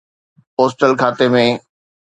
postal کاتي ۾